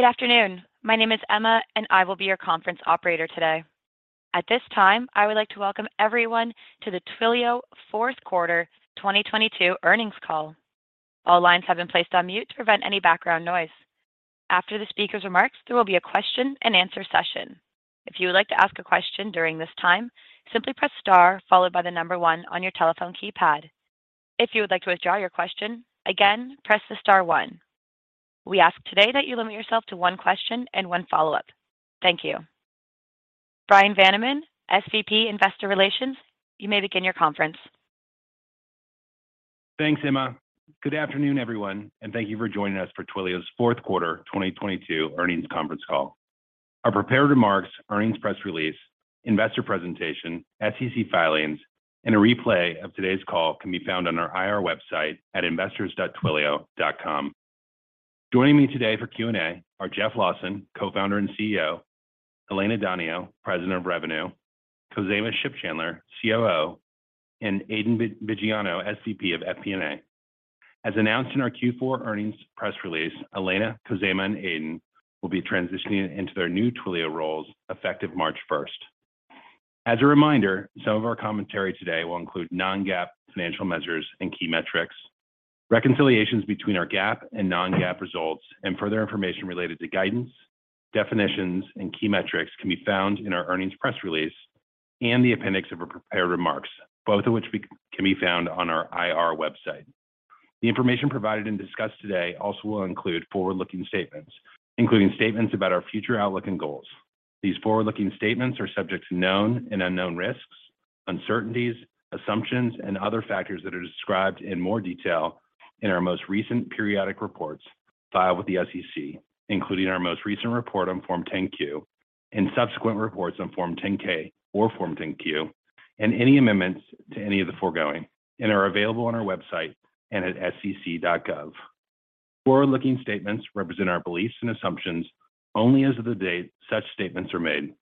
Good afternoon. My name is Emma, and I will be your conference operator today. At this time, I would like to welcome everyone to the Twilio 4th quarter 2022 Earnings Call. All lines have been placed on mute to prevent any background noise. After the speaker's remarks, there will be a question and answer session. If you would like to ask a question during this time, simply press star one on your telephone keypad. If you would like to withdraw your question, again, press star one. We ask today that you limit yourself to one question and one follow-up. Thank you. Bryan Vaniman, SVP Investor Relations, you may begin your conference. Thanks, Emma. Good afternoon, everyone, and thank you for joining us for Twilio's 4th Quarter 2022 Earnings Conference Call. Our prepared remarks, earnings press release, investor presentation, SEC filings, and a replay of today's call can be found on our IR website at investors.twilio.com. Joining me today for Q&A are Jeff Lawson, Co-founder and CEO, Elena Donio, President of Revenue, Khozema Shipchandler, COO, and Aidan Viggiano, SVP of FP&A. As announced in our Q4 earnings press release, Elena, Khozema, and Aidan will be transitioning into their new Twilio roles effective March 1st. As a reminder, some of our commentary today will include non-GAAP financial measures and key metrics. Reconciliations between our GAAP and non-GAAP results and further information related to guidance, definitions, and key metrics can be found in our earnings press release and the appendix of our prepared remarks, both of which can be found on our IR website. The information provided and discussed today also will include forward-looking statements, including statements about our future outlook and goals. These forward-looking statements are subject to known and unknown risks, uncertainties, assumptions, and other factors that are described in more detail in our most recent periodic reports filed with the SEC, including our most recent report on Form 10-Q and subsequent reports on Form 10-K or Form 10-Q, and any amendments to any of the foregoing, and are available on our website and at sec.gov. Forward-looking statements represent our beliefs and assumptions only as of the date such statements are made.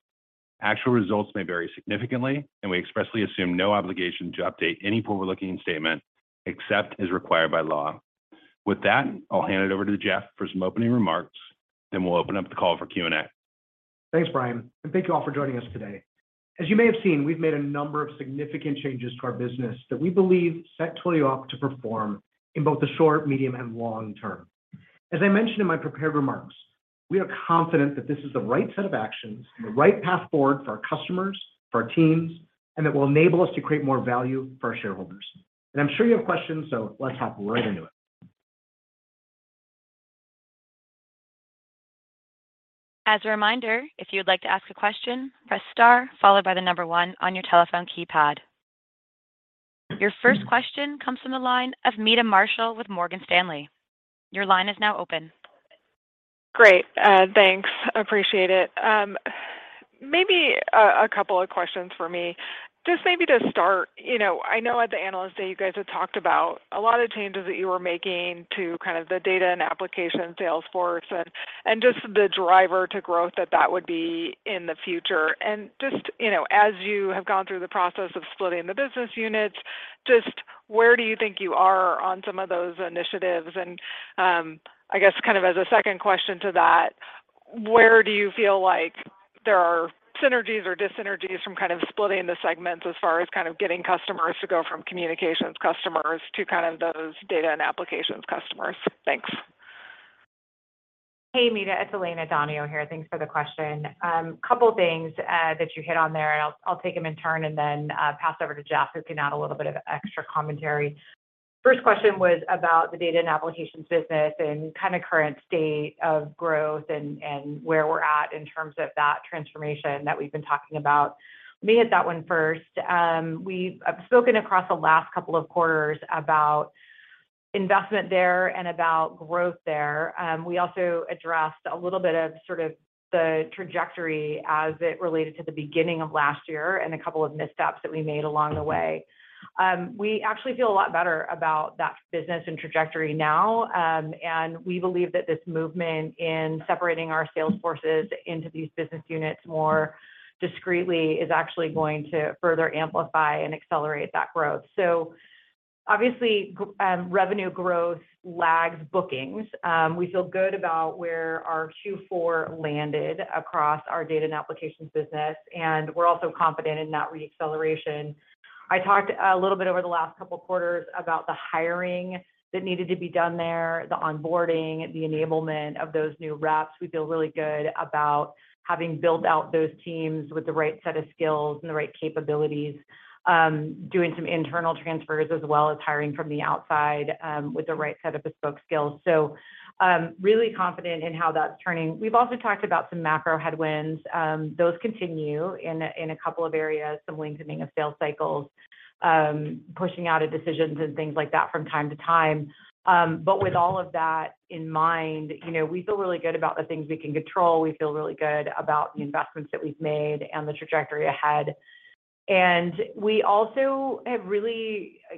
Actual results may vary significantly, and we expressly assume no obligation to update any forward-looking statement except as required by law. With that, I'll hand it over to Jeff for some opening remarks, then we'll open up the call for Q&A. Thanks, Bryan, thank you all for joining us today. As you may have seen, we've made a number of significant changes to our business that we believe set Twilio up to perform in both the short, medium, and long term. As I mentioned in my prepared remarks, we are confident that this is the right set of actions and the right path forward for our customers, for our teams, and that will enable us to create more value for our shareholders. I'm sure you have questions, so let's hop right into it. As a reminder, if you would like to ask a question, press star followed by the number one on your telephone keypad. Your first question comes from the line of Meta Marshall with Morgan Stanley. Your line is now open. Great. Thanks. Appreciate it. Maybe a couple of questions for me. Just maybe to start, you know, I know at the analyst day you guys had talked about a lot of changes that you were making to kind of the Data and Applications sales force and just the driver to growth that would be in the future. Just, you know, as you have gone through the process of splitting the business units, just where do you think you are on some of those initiatives? I guess kind of as a second question to that, where do you feel like there are synergies or dis-synergies from kind of splitting the segments as far as kind of getting customers to go from communications customers to kind of those Data and Applications customers? Thanks. Hey, Meta, it's Elena Donio here. Thanks for the question. Couple things that you hit on there, and I'll take them in turn and then pass over to Jeff who can add a little bit of extra commentary. First question was about the Data and Applications business and kind of current state of growth and where we're at in terms of that transformation that we've been talking about. Let me hit that one first. We've spoken across the last couple of quarters about investment there and about growth there. We also addressed a little bit of sort of the trajectory as it related to the beginning of last year and a couple of missteps that we made along the way. We actually feel a lot better about that business and trajectory now, and we believe that this movement in separating our sales forces into these business units more discreetly is actually going to further amplify and accelerate that growth. Obviously, revenue growth lags bookings. We feel good about where our Q4 landed across our Data and Applications business, and we're also confident in that re-acceleration. I talked a little bit over the last couple of quarters about the hiring that needed to be done there, the onboarding, the enablement of those new reps. We feel really good about having built out those teams with the right set of skills and the right capabilities, doing some internal transfers as well as hiring from the outside, with the right set of bespoke skills. Really confident in how that's turning. We've also talked about some macro headwinds. Those continue in a couple of areas, some lengthening of sales cycles, pushing out of decisions and things like that from time to time. With all of that in mind, you know, we feel really good about the things we can control. We feel really good about the investments that we've made and the trajectory ahead. We also have.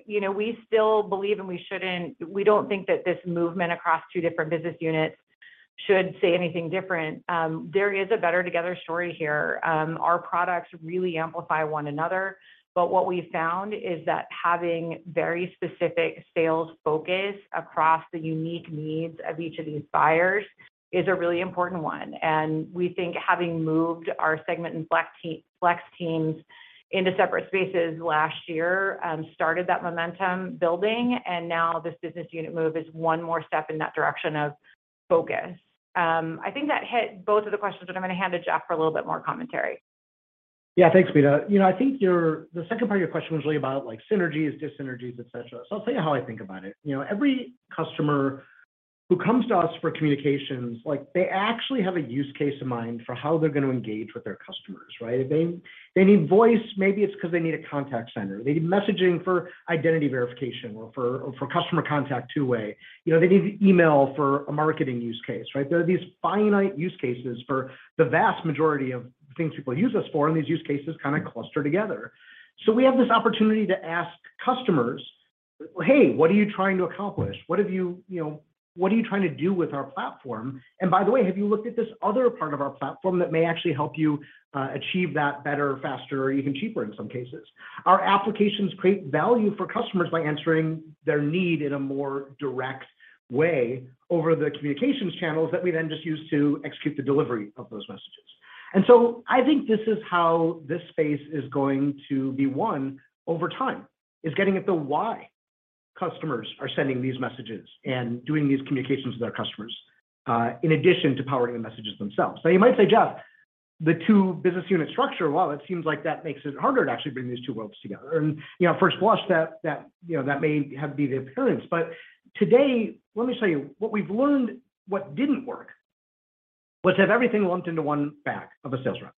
You know, we still believe, we don't think that this movement across two different business units should say anything different. There is a better together story here. Our products really amplify one another, but what we've found is that having very specific sales focus across the unique needs of each of these buyers is a really important one. We think having moved our Segment and Flex teams into separate spaces last year, started that momentum building. Now this business unit move is one more step in that direction of focus. I think that hit both of the questions. I'm gonna hand to Jeff for a little bit more commentary. Yeah. Thanks, Meta. You know, I think The second part of your question was really about like synergies, dis-synergies, et cetera. I'll tell you how I think about it. You know, every customer who comes to us for communications, like, they actually have a use case in mind for how they're gonna engage with their customers, right? If they need voice, maybe it's 'cause they need a contact center. They need messaging for identity verification or for customer contact two-way. You know, they need email for a marketing use case, right? There are these finite use cases for the vast majority of things people use us for, and these use cases kinda cluster together. We have this opportunity to ask customers, "Hey, what are you trying to accomplish? You know, what are you trying to do with our platform? By the way, have you looked at this other part of our platform that may actually help you achieve that better, faster, or even cheaper in some cases?" Our applications create value for customers by answering their need in a more direct way over the communications channels that we then just use to execute the delivery of those messages. I think this is how this space is going to be won over time. Is getting at the why customers are sending these messages and doing these communications with our customers, in addition to powering the messages themselves. You might say, "Jeff, the two business unit structure, well, it seems like that makes it harder to actually bring these two worlds together." You know, at first blush that, you know, that may have be the appearance. Today, let me tell you what we've learned what didn't work was to have everything lumped into one back of a sales rep.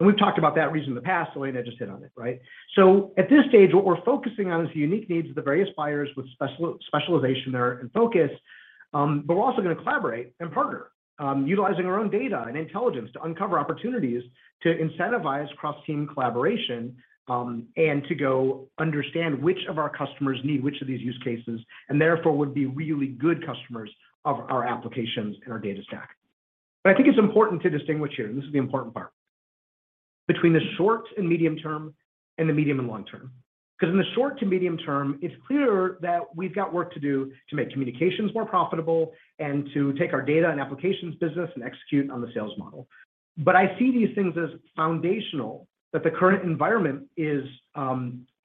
We've talked about that reason in the past, Elena just hit on it, right? At this stage, what we're focusing on is the unique needs of the various buyers with specialization there and focus, but we're also gonna collaborate and partner, utilizing our own data and intelligence to uncover opportunities to incentivize cross-team collaboration, and to go understand which of our customers need which of these use cases, and therefore would be really good customers of our applications and our data stack. I think it's important to distinguish here, this is the important part, between the short and medium term and the medium and long term. 'Cause in the short to medium term, it's clear that we've got work to do to make communications more profitable and to take our Data & Applications business and execute on the sales model. I see these things as foundational, that the current environment is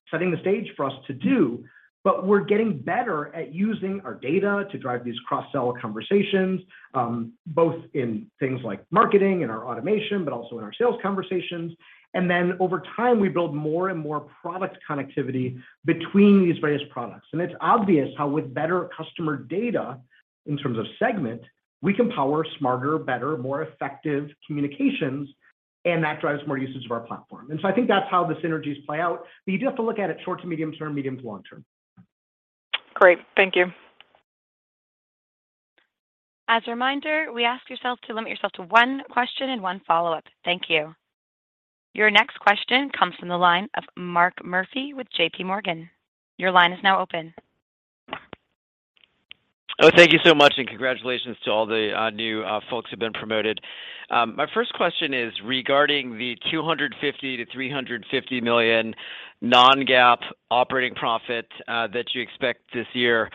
setting the stage for us to do, but we're getting better at using our data to drive these cross-sell conversations, both in things like marketing and our automation, but also in our sales conversations. Then over time, we build more and more product connectivity between these various products. It's obvious how with better customer data in terms of Segment, we can power smarter, better, more effective communications, and that drives more usage of our platform. I think that's how the synergies play out. You do have to look at it short to medium term, medium to long term. Great. Thank you. As a reminder, we ask yourself to limit yourself to one question and one follow-up. Thank you. Your next question comes from the line of Mark Murphy with JPMorgan. Your line is now open. Thank you so much. Congratulations to all the new folks who've been promoted. My first question is regarding the $250 million-$350 million non-GAAP operating profit that you expect this year.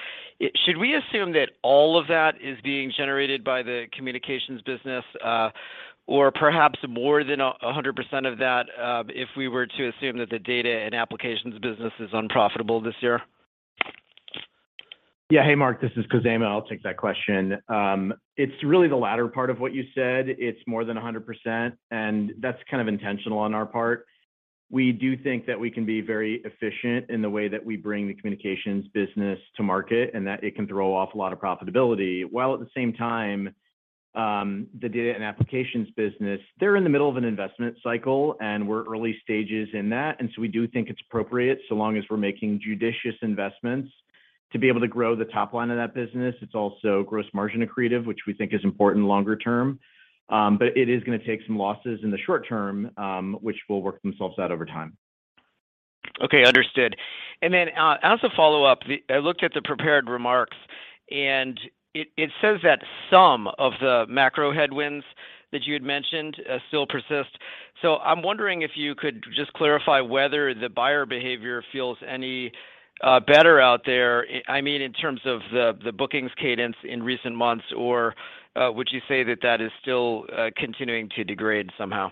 Should we assume that all of that is being generated by the communications business, or perhaps more than 100% of that, if we were to assume that the Data and Applications business is unprofitable this year? Yeah. Hey, Mark. This is Khozema Shipchandler. I'll take that question. It's really the latter part of what you said. It's more than 100%. That's kind of intentional on our part. We do think that we can be very efficient in the way that we bring the communications business to market. That it can throw off a lot of profitability. While at the same time, the data and applications business, they're in the middle of an investment cycle. We're early stages in that. We do think it's appropriate, so long as we're making judicious investments to be able to grow the top line of that business. It's also gross margin accretive, which we think is important longer term. It is gonna take some losses in the short term, which will work themselves out over time. Okay. Understood. Then, as a follow-up, I looked at the prepared remarks, and it says that some of the macro headwinds that you had mentioned, still persist. I'm wondering if you could just clarify whether the buyer behavior feels any better out there, I mean, in terms of the bookings cadence in recent months, or would you say that that is still continuing to degrade somehow?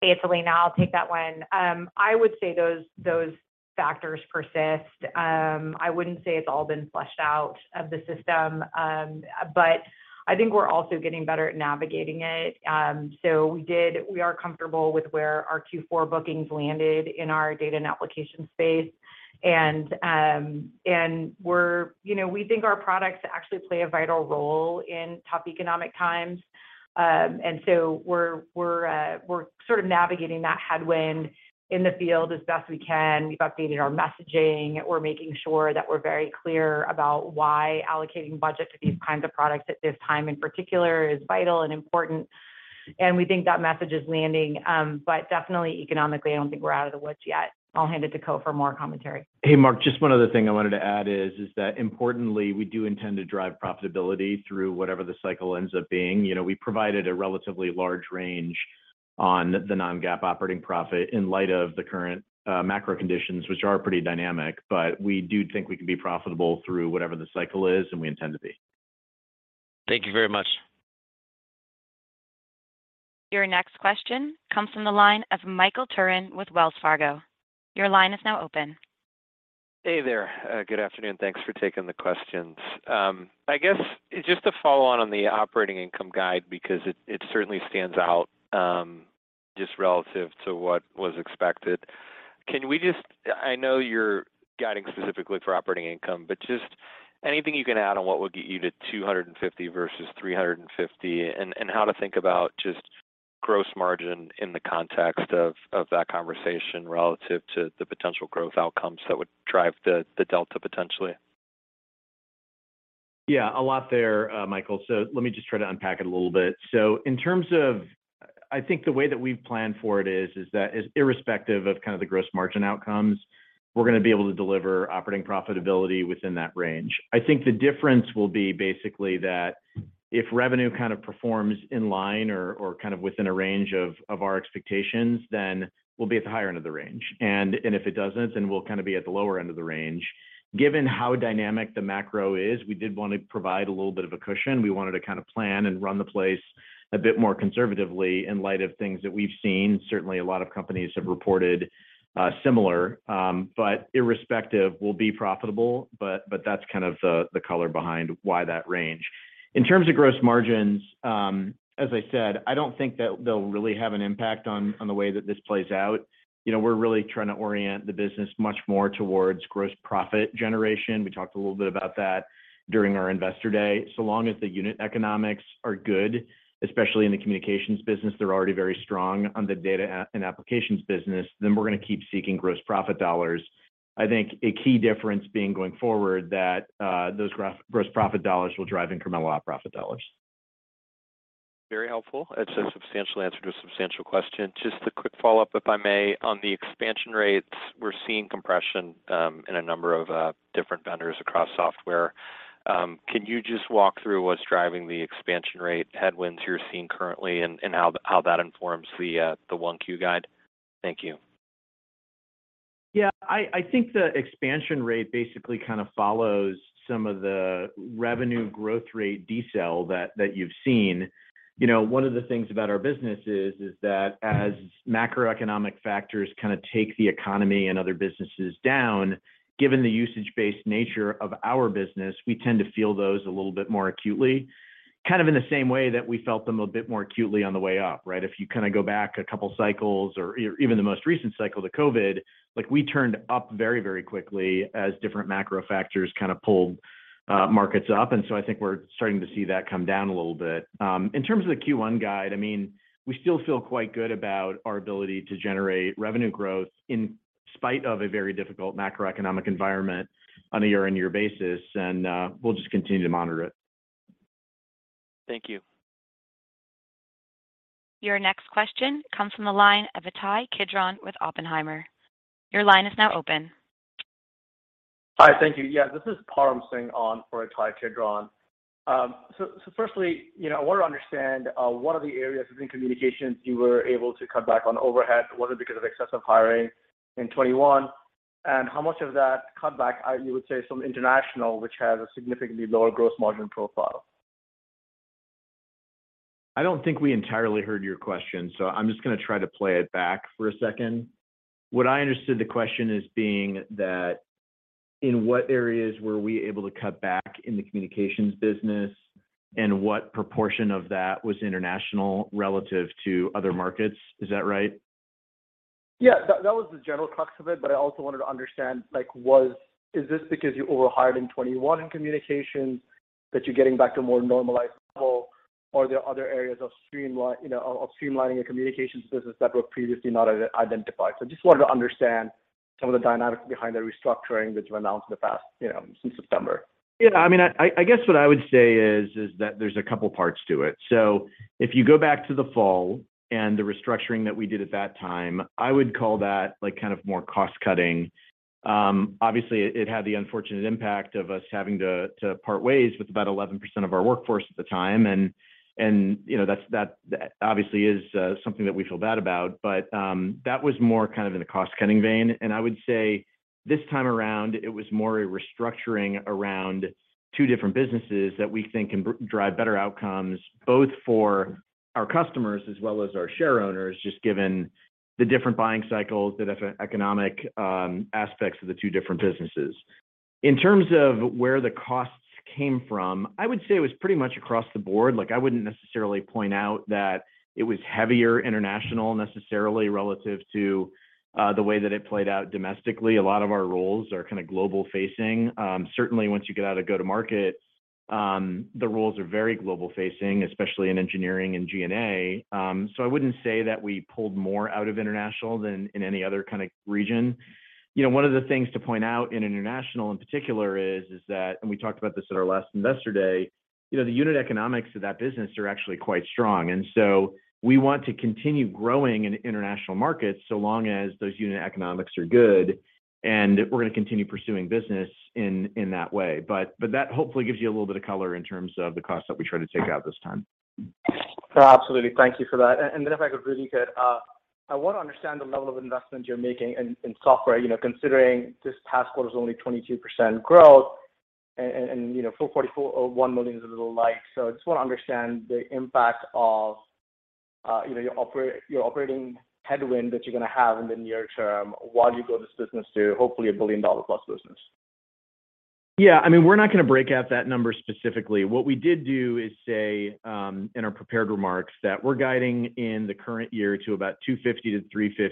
Hey, it's Elena. I'll take that one. I would say those factors persist. I wouldn't say it's all been flushed out of the system. I think we're also getting better at navigating it. We are comfortable with where our Q4 bookings landed in our Data and Applications space. You know, we think our products actually play a vital role in tough economic times. So we're sort of navigating that headwind in the field as best we can. We've updated our messaging. We're making sure that we're very clear about why allocating budget to these kinds of products at this time, in particular, is vital and important. We think that message is landing. Definitely economically, I don't think we're out of the woods yet. I'll hand it to Khozema for more commentary. Hey, Mark. Just one other thing I wanted to add is that importantly, we do intend to drive profitability through whatever the cycle ends up being. You know, we provided a relatively large range on the non-GAAP operating profit in light of the current macro conditions, which are pretty dynamic. We do think we can be profitable through whatever the cycle is, and we intend to be. Thank you very much. Your next question comes from the line of Michael Turrin with Wells Fargo. Your line is now open. Hey there. Good afternoon. Thanks for taking the questions. I guess just to follow on the operating income guide because it certainly stands out, just relative to what was expected. I know you're guiding specifically for operating income, but just anything you can add on what would get you to $250 million versus $350 million, and how to think about just gross margin in the context of that conversation relative to the potential growth outcomes that would drive the delta potentially. Yeah, a lot there, Michael. Let me just try to unpack it a little bit. I think the way that we've planned for it is that irrespective of kind of the gross margin outcomes, we're gonna be able to deliver operating profitability within that range. I think the difference will be basically that if revenue kind of performs in line or kind of within a range of our expectations, then we'll be at the higher end of the range. If it doesn't, then we'll kind of be at the lower end of the range. Given how dynamic the macro is, we did wanna provide a little bit of a cushion. We wanted to kind of plan and run the place a bit more conservatively in light of things that we've seen. Certainly a lot of companies have reported, similar, but irrespective we'll be profitable, but that's kind of the color behind why that range. In terms of gross margins, as I said, I don't think that they'll really have an impact on the way that this plays out. You know, we're really trying to orient the business much more towards gross profit generation. We talked a little bit about that during our investor day. Long as the unit economics are good, especially in the communications business, they're already very strong on the data and applications business, then we're gonna keep seeking gross profit dollars. I think a key difference being going forward that those gross profit dollars will drive incremental Op profit dollars. Very helpful. It's a substantial answer to a substantial question. Just a quick follow-up, if I may. On the expansion rates, we're seeing compression, in a number of different vendors across software. Can you just walk through what's driving the expansion rate headwinds you're seeing currently and how that informs the 1Q guide? Thank you. Yeah. I think the expansion rate basically kind of follows some of the revenue growth rate decel that you've seen. You know, one of the things about our business is that as macroeconomic factors kind of take the economy and other businesses down, given the usage-based nature of our business, we tend to feel those a little bit more acutely, kind of in the same way that we felt them a bit more acutely on the way up, right? If you kind of go back a couple cycles or even the most recent cycle, the COVID, like we turned up very, very quickly as different macro factors kind of pulled markets up. I think we're starting to see that come down a little bit. In terms of the Q1 guide, I mean, we still feel quite good about our ability to generate revenue growth in spite of a very difficult macroeconomic environment on a year-on-year basis, and, we'll just continue to monitor it. Thank you. Your next question comes from the line of Ittai Kidron with Oppenheimer. Your line is now open. Hi. Thank you. Yeah, this is Param Singh on for Ittai Kidron. Firstly, you know, I want to understand, what are the areas within communications you were able to cut back on overhead? Was it because of excessive hiring in 2021? How much of that cut back, you would say is from international, which has a significantly lower gross margin profile? I don't think we entirely heard your question, so I'm just gonna try to play it back for a second. What I understood the question as being that in what areas were we able to cut back in the communications business, and what proportion of that was international relative to other markets. Is that right? Yeah. That was the general crux of it. I also wanted to understand, like, Is this because you overhired in 2021 in communications that you're getting back to a more normalized level, or are there other areas of streamline, you know, of streamlining your communications business that were previously not identified? Just wanted to understand some of the dynamics behind the restructuring that you announced in the past, you know, since September. Yeah. I mean, I guess what I would say is that there's a couple parts to it. If you go back to the fall and the restructuring that we did at that time, I would call that, like, kind of more cost-cutting. Obviously it had the unfortunate impact of us having to part ways with about 11% of our workforce at the time. You know, that's, that obviously is something that we feel bad about. That was more kind of in a cost-cutting vein. I would say this time around, it was more a restructuring around two different businesses that we think can drive better outcomes, both for our customers as well as our shareowners, just given the different buying cycles, the eco-economic aspects of the two different businesses. In terms of where the costs came from, I would say it was pretty much across the board. Like, I wouldn't necessarily point out that it was heavier international necessarily relative to the way that it played out domestically. A lot of our roles are kind of global facing. Certainly once you get out of go-to-market, the roles are very global facing, especially in engineering and G&A. So I wouldn't say that we pulled more out of international than in any other kind of region. You know, one of the things to point out in international in particular is that, and we talked about this at our last investor day, you know, the unit economics of that business are actually quite strong. We want to continue growing in international markets so long as those unit economics are good, and we're gonna continue pursuing business in that way. That hopefully gives you a little bit of color in terms of the costs that we try to take out this time. Absolutely. Thank you for that. If I could, Rudy, I wanna understand the level of investment you're making in software, you know, considering this past quarter's only 22% growth and, you know, full 44 or $1 million is a little light. I just wanna understand the impact of, you know, your operating headwind that you're gonna have in the near term while you grow this business to hopefully a billion-dollar-plus business. I mean, we're not gonna break out that number specifically. What we did do is say, in our prepared remarks that we're guiding in the current year to about $250 million-$350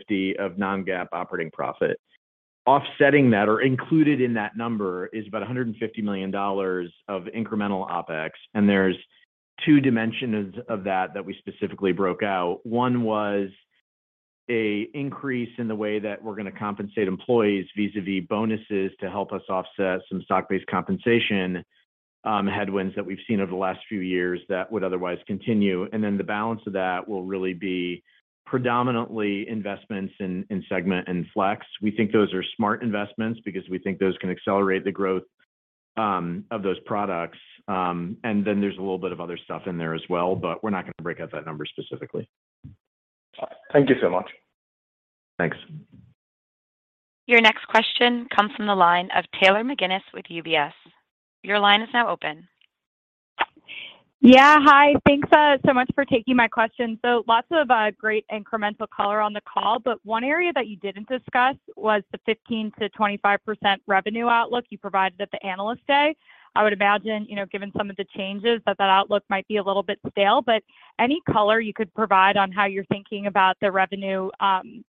million of non-GAAP operating profit. Offsetting that or included in that number is about $150 million of incremental OpEx, and there's two dimensions of that that we specifically broke out. One was a increase in the way that we're gonna compensate employees vis-a-vis bonuses to help us offset some stock-based compensation headwinds that we've seen over the last few years that would otherwise continue. The balance of that will really be predominantly investments in Segment and Flex. We think those are smart investments because we think those can accelerate the growth of those products. There's a little bit of other stuff in there as well, but we're not gonna break out that number specifically. All right. Thank you so much. Thanks. Your next question comes from the line of Taylor McGinnis with UBS. Your line is now open. Yeah. Hi. Thanks so much for taking my question. Lots of great incremental color on the call, but one area that you didn't discuss was the 15%-25% revenue outlook you provided at the Analyst Day. I would imagine, you know, given some of the changes that that outlook might be a little bit stale, but any color you could provide on how you're thinking about the revenue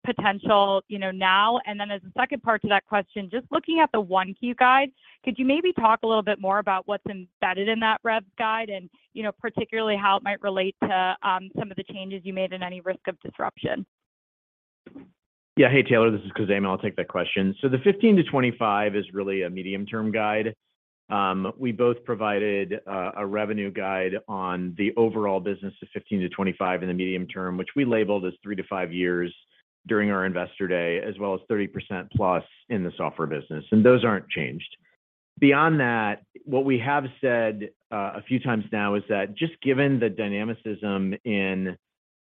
potential, you know, now. As a second part to that question, just looking at the 1Q guide, could you maybe talk a little bit more about what's embedded in that rev guide and, you know, particularly how it might relate to some of the changes you made in any risk of disruption? Yeah. Hey, Taylor McGinnis. This is Khozema Shipchandler. I'll take that question. The 15%-25% is really a medium-term guide. We both provided a revenue guide on the overall business of 15%-25% in the medium term, which we labeled as 3 to 5 years during our Investor Day, as well as 30%+ in the software business, and those aren't changed. Beyond that, what we have said a few times now is that just given the dynamicism in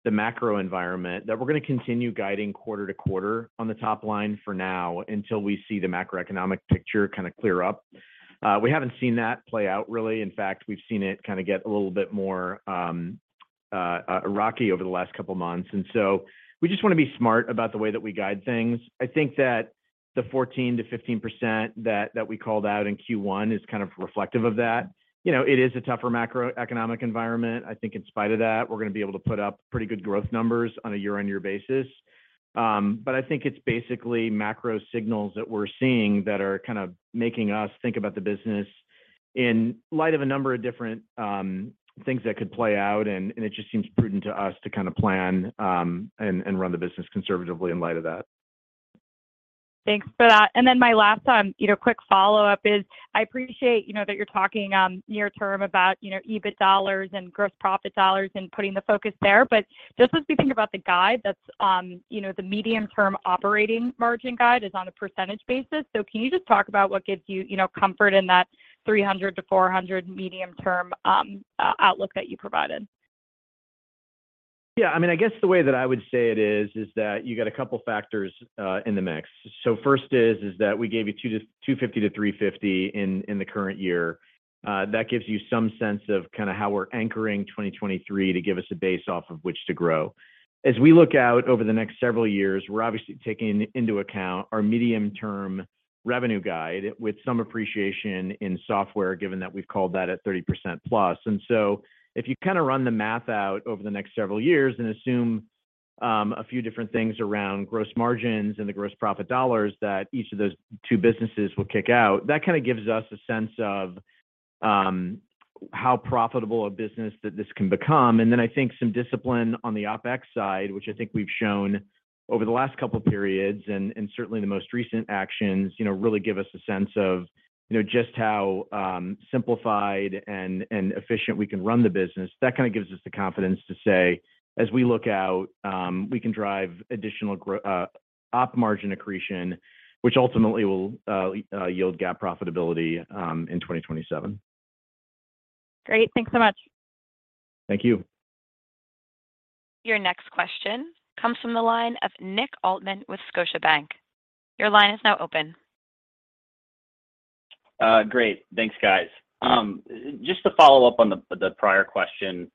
the macro environment, that we're gonna continue guiding quarter-to-quarter on the top line for now until we see the macroeconomic picture kinda clear up. We haven't seen that play out really. In fact, we've seen it kinda get a little bit more rocky over the last couple months, and so we just wanna be smart about the way that we guide things. I think that the 14%-15% that we called out in Q1 is kind of reflective of that. You know, it is a tougher macroeconomic environment. I think in spite of that, we're gonna be able to put up pretty good growth numbers on a year-on-year basis. I think it's basically macro signals that we're seeing that are kind of making us think about the business in light of a number of different things that could play out, and it just seems prudent to us to kinda plan and run the business conservatively in light of that. Thanks for that. My last, you know, quick follow-up is I appreciate, you know, that you're talking, near term about, you know, EBIT dollars and gross profit dollars and putting the focus there. Just as we think about the guide that's, you know, the medium-term operating margin guide is on a percentage basis. Can you just talk about what gives you know, comfort in that 300%-400% medium-term outlook that you provided? I mean, I guess the way that I would say it is that you got a couple factors in the mix. First is that we gave you $250-$350 in the current year. That gives you some sense of kinda how we're anchoring 2023 to give us a base off of which to grow. As we look out over the next several years, we're obviously taking into account our medium-term revenue guide with some appreciation in software, given that we've called that at 30%+. If you kinda run the math out over the next several years and assume a few different things around gross margins and the gross profit dollars that each of those two businesses will kick out, that kinda gives us a sense of how profitable a business that this can become. Then I think some discipline on the OpEx side, which I think we've shown over the last couple periods and certainly the most recent actions, you know, really give us a sense of, you know, just how simplified and efficient we can run the business. That kinda gives us the confidence to say, as we look out, we can drive additional op margin accretion, which ultimately will yield GAAP profitability in 2027. Great. Thanks so much. Thank you. Your next question comes from the line of Nick Altmann with Scotiabank. Your line is now open. Great. Thanks, guys. Just to follow up on the prior question,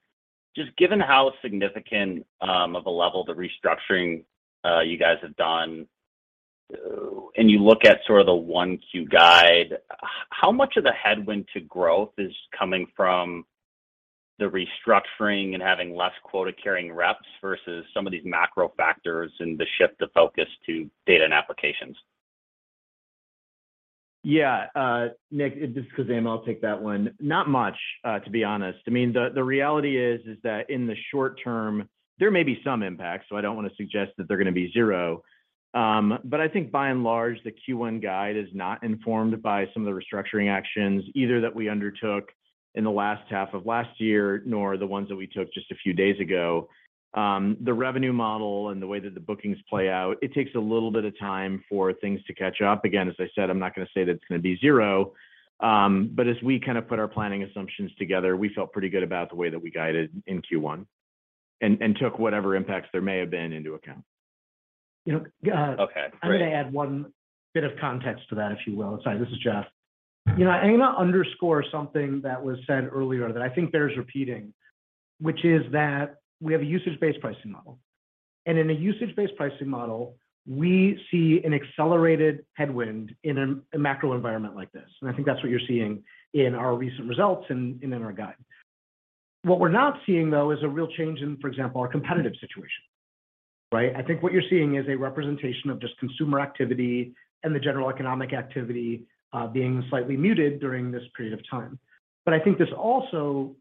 just given how significant of a level the restructuring you guys have done, and you look at sort of the 1 Q guide, how much of the headwind to growth is coming from the restructuring and having less quota-carrying reps versus some of these macro factors and the shift of focus to Data and Applications? Nick, this is Khozema. I'll take that one. Not much to be honest. I mean, the reality is that in the short term, there may be some impact, so I don't wanna suggest that they're gonna be zero. I think by and large, the Q1 guide is not informed by some of the restructuring actions, either that we undertook in the last half of last year, nor the ones that we took just a few days ago. The revenue model and the way that the bookings play out, it takes a little bit of time for things to catch up. As I said, I'm not gonna say that it's gonna be zero, but as we kind of put our planning assumptions together, we felt pretty good about the way that we guided in Q1 and took whatever impacts there may have been into account. You know. Okay, great. I'm gonna add one bit of context to that, if you will. Sorry, this is Jeff. You know, I'm gonna underscore something that was said earlier that I think bears repeating, which is that we have a usage-based pricing model, and in a usage-based pricing model, we see an accelerated headwind in a macro environment like this, and I think that's what you're seeing in our recent results and in our guide. What we're not seeing, though, is a real change in, for example, our competitive situation, right? I think what you're seeing is a representation of just consumer activity and the general economic activity being slightly muted during this period of time. I think this also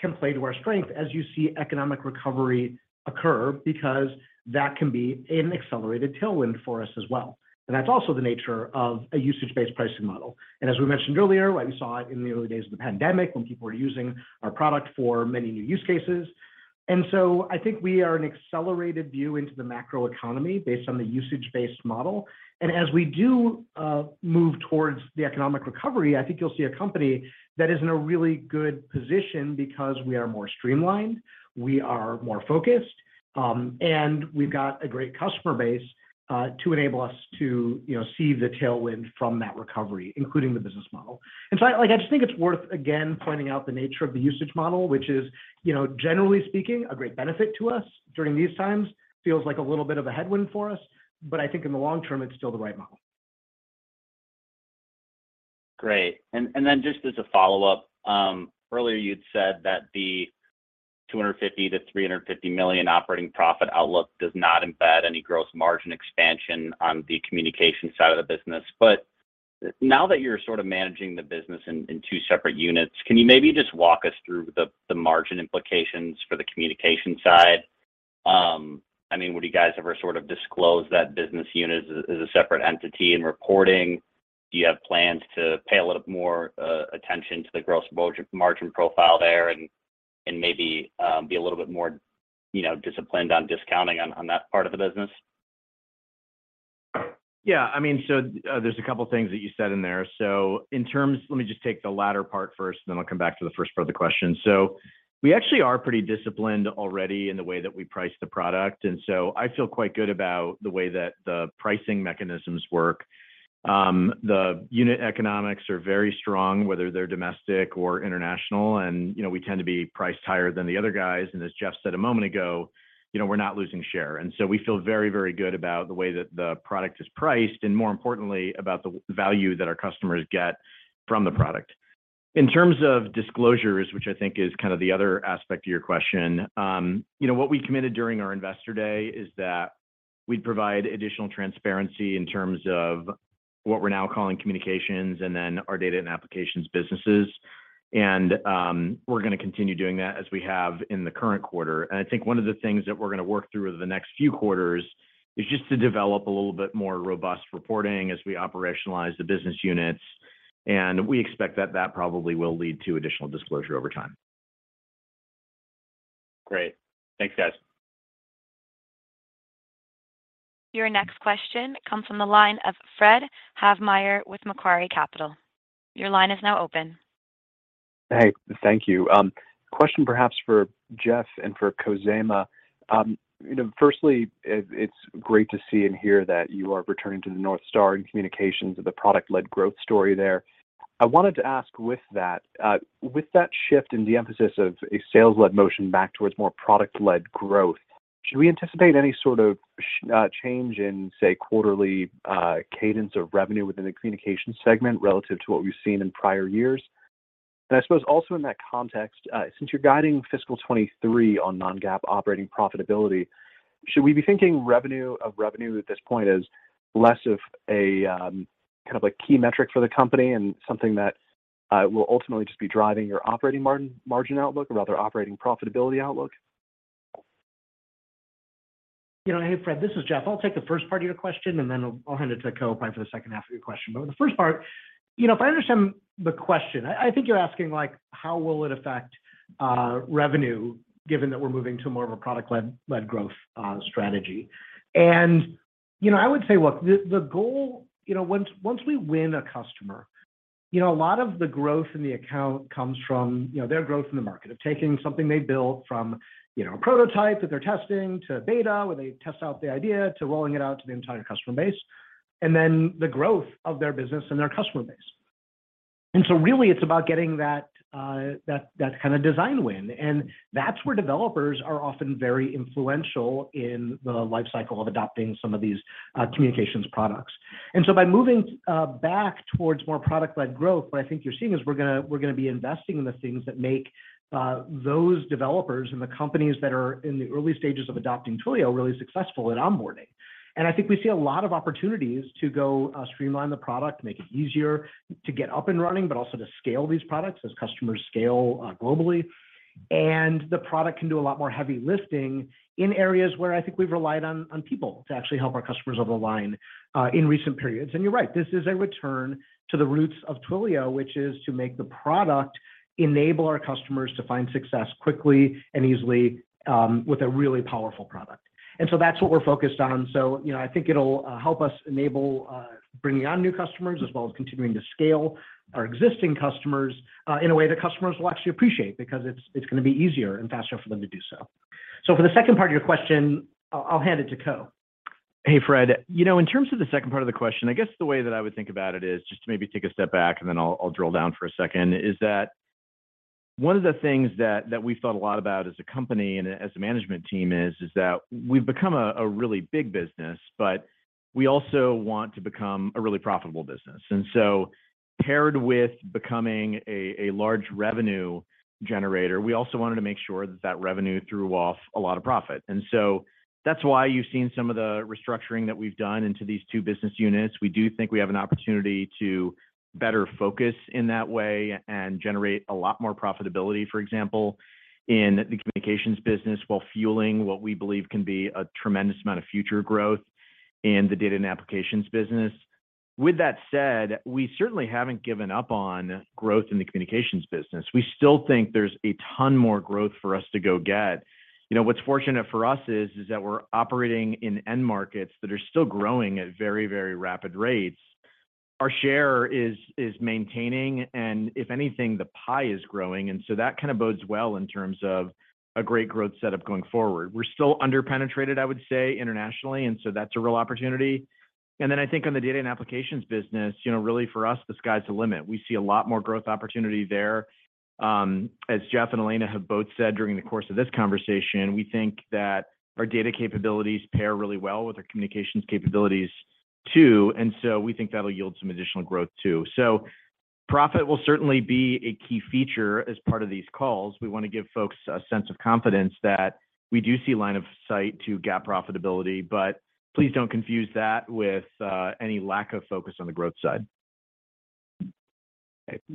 can play to our strength as you see economic recovery occur, because that can be an accelerated tailwind for us as well. That's also the nature of a usage-based pricing model. As we mentioned earlier, we saw it in the early days of the pandemic when people were using our product for many new use cases. I think we are an accelerated view into the macro economy based on the usage-based model. As we do move towards the economic recovery, I think you'll see a company that is in a really good position because we are more streamlined, we are more focused, and we've got a great customer base to enable us to, you know, see the tailwind from that recovery, including the business model. Like, I just think it's worth, again, pointing out the nature of the usage model, which is, you know, generally speaking, a great benefit to us during these times. Feels like a little bit of a headwind for us, but I think in the long term it's still the right model. Great. Just as a follow-up, earlier you'd said that the $250 million-$350 million operating profit outlook does not embed any gross margin expansion on the communication side of the business. Now that you're sort of managing the business in two separate units, can you maybe just walk us through the margin implications for the communication side? I mean, would you guys ever sort of disclose that business unit as a separate entity in reporting? Do you have plans to pay a little more attention to the gross margin profile there and maybe, be a little bit more, you know, disciplined on discounting on that part of the business? Yeah. I mean, there's a couple things that you said in there. Let me just take the latter part first, then I'll come back to the first part of the question. We actually are pretty disciplined already in the way that we price the product, and so I feel quite good about the way that the pricing mechanisms work. The unit economics are very strong, whether they're domestic or international, and, you know, we tend to be priced higher than the other guys, and as Jeff said a moment ago, you know, we're not losing share. We feel very, very good about the way that the product is priced, and more importantly, about the value that our customers get from the product. In terms of disclosures, which I think is kind of the other aspect to your question, you know, what we committed during our investor day is that we'd provide additional transparency in terms of what we're now calling communications and then our Data and Applications businesses. We're gonna continue doing that as we have in the current quarter. I think one of the things that we're gonna work through over the next few quarters is just to develop a little bit more robust reporting as we operationalize the business units, and we expect that that probably will lead to additional disclosure over time. Great. Thanks, guys. Your next question comes from the line of Fred Havemeyer with Macquarie Capital. Your line is now open. Hey. Thank you. Question perhaps for Jeff and for Khozema. You know, firstly, it's great to see and hear that you are returning to the North Star in Communications of the product-led growth story there. I wanted to ask with that, with that shift in the emphasis of a sales-led motion back towards more product-led growth, should we anticipate any sort of change in, say, quarterly, cadence of revenue within the Communications segment relative to what we've seen in prior years? I suppose also in that context, since you're guiding fiscal 2023 on non-GAAP operating profitability, should we be thinking of revenue at this point as less of a, kind of a key metric for the company and something that will ultimately just be driving your operating margin outlook or rather operating profitability outlook? You know, hey, Fred, this is Jeff. I'll take the first part of your question, and then I'll hand it to Khozema probably for the second half of your question. The first part, you know, if I understand the question, I think you're asking, like, how will it affect revenue given that we're moving to more of a product-led growth strategy. You know, I would say, look, the goal, you know, once we win a customer, you know, a lot of the growth in the account comes from, you know, their growth in the market, of taking something they built from, you know, a prototype that they're testing to beta, where they test out the idea, to rolling it out to the entire customer base, and then the growth of their business and their customer base. Really it's about getting that kind of design win, and that's where developers are often very influential in the life cycle of adopting some of these communications products. By moving back towards more product-led growth, what I think you're seeing is we're gonna be investing in the things that make those developers and the companies that are in the early stages of adopting Twilio really successful at onboarding. I think we see a lot of opportunities to go streamline the product, make it easier to get up and running, but also to scale these products as customers scale globally. The product can do a lot more heavy lifting in areas where I think we've relied on people to actually help our customers over the line in recent periods. You're right, this is a return to the roots of Twilio, which is to make the product enable our customers to find success quickly and easily, with a really powerful product. That's what we're focused on. You know, I think it'll help us enable bringing on new customers as well as continuing to scale our existing customers, in a way that customers will actually appreciate because it's gonna be easier and faster for them to do so. For the second part of your question, I'll hand it to Khozema. Hey, Fred. You know, in terms of the second part of the question, I guess the way that I would think about it is just to maybe take a step back, and then I'll drill down for a second, is that one of the things that we thought a lot about as a company and as a management team is that we've become a really big business, but we also want to become a really profitable business. Paired with becoming a large revenue generator, we also wanted to make sure that that revenue threw off a lot of profit. That's why you've seen some of the restructuring that we've done into these two business units. We do think we have an opportunity to better focus in that way and generate a lot more profitability, for example, in the Communications business, while fueling what we believe can be a tremendous amount of future growth in the Data and Applications business. With that said, we certainly haven't given up on growth in the Communications business. We still think there's a ton more growth for us to go get. You know, what's fortunate for us is that we're operating in end markets that are still growing at very, very rapid rates. Our share is maintaining and if anything, the pie is growing, that kind of bodes well in terms of a great growth setup going forward. We're still under-penetrated, I would say, internationally, that's a real opportunity. I think on the Data and Applications Business, you know, really for us, the sky's the limit. We see a lot more growth opportunity there. As Jeff and Elena have both said during the course of this conversation, we think that our data capabilities pair really well with our communications capabilities, too. We think that'll yield some additional growth too. Profit will certainly be a key feature as part of these calls. We wanna give folks a sense of confidence that we do see line of sight to GAAP profitability. Please don't confuse that with any lack of focus on the growth side.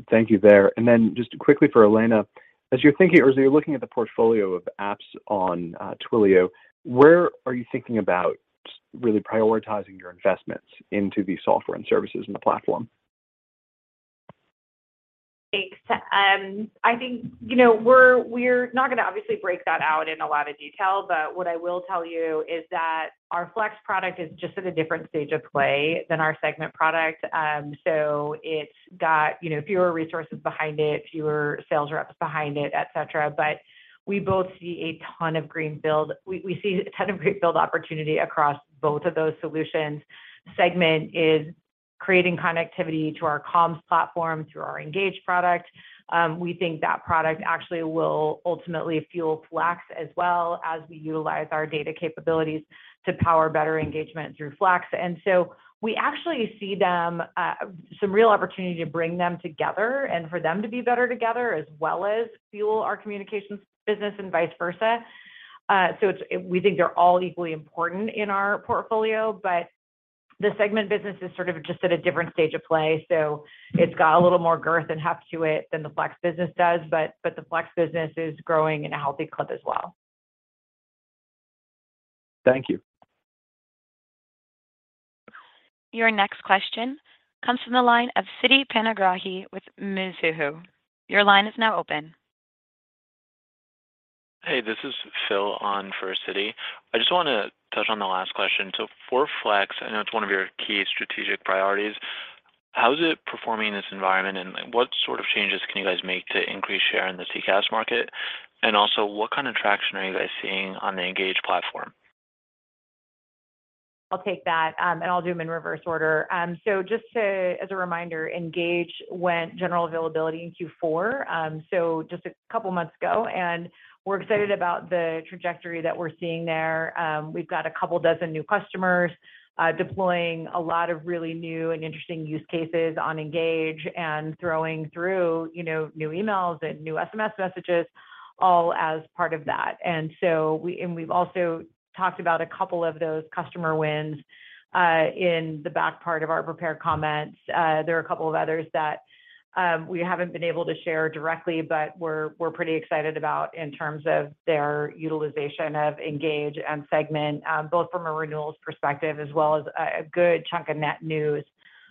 Thank you there. Just quickly for Elena, as you're thinking or as you're looking at the portfolio of apps on Twilio, where are you thinking about really prioritizing your investments into the software and services in the platform? Thanks. I think, you know, we're not gonna obviously break that out in a lot of detail, but what I will tell you is that our Flex product is just at a different stage of play than our Segment product. It's got, you know, fewer resources behind it, fewer sales reps behind it, et cetera. We both see a ton of greenfield. We see a ton of greenfield opportunity across both of those solutions. Segment is creating connectivity to our comms platform through our Engage product. We think that product actually will ultimately fuel Flex as well as we utilize our data capabilities to power better engagement through Flex. We actually see them some real opportunity to bring them together and for them to be better together as well as fuel our communications business and vice versa. We think they're all equally important in our portfolio, but the Segment business is sort of just at a different stage of play, so it's got a little more girth and heft to it than the Flex business does. The Flex business is growing in a healthy clip as well. Thank you. Your next question comes from the line of Siti Panigrahi with Mizuho. Your line is now open. Hey, this is Phil on for Siti. I just wanna touch on the last question. For Flex, I know it's one of your key strategic priorities, how is it performing in this environment, and what sort of changes can you guys make to increase share in the CCaaS market? Also, what kind of traction are you guys seeing on the Engage platform? I'll take that, and I'll do them in reverse order. Just to, as a reminder, Engage went general availability in Q4, so just a couple months ago, and we're excited about the trajectory that we're seeing there. We've got a couple dozen new customers, deploying a lot of really new and interesting use cases on Engage and throwing through, you know, new emails and new SMS messages all as part of that. We've also talked about a couple of those customer wins, in the back part of our prepared comments. There are two others that we haven't been able to share directly, but we're pretty excited about in terms of their utilization of Engage and Segment, both from a renewals perspective as well as a good chunk of net news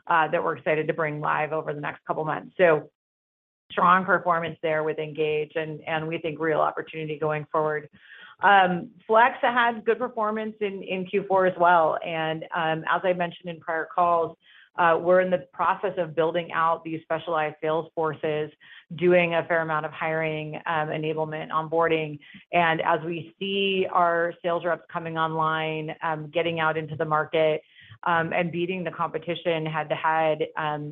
that we're excited to bring live over the next two months. Strong performance there with Engage, and we think real opportunity going forward. Flex had good performance in Q4 as well. As I mentioned in prior calls, we're in the process of building out these specialized sales forces, doing a fair amount of hiring, enablement, onboarding. As we see our sales reps coming online, getting out into the market, and beating the competition head to head,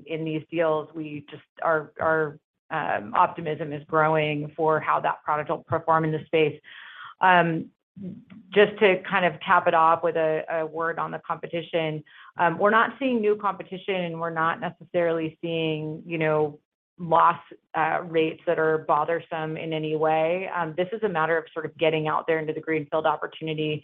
in these deals, we just, our optimism is growing for how that product will perform in the space. Just to kind of cap it off with a word on the competition, we're not seeing new competition. We're not necessarily seeing, you know, loss rates that are bothersome in any way. This is a matter of sort of getting out there into the greenfield opportunity,